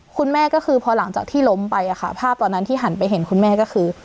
คุณแม่ก็คือพอหลังจากที่ล้มไปอะค่ะภาพตอนนั้นที่หันไปเห็นคุณแม่ก็คือ